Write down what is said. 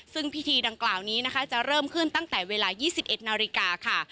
ซึ่งพิธีดังกล่าวนี้นะคะจะเริ่มขึ้นตั้งแต่เวลา๒๑นาฬิกาค่ะ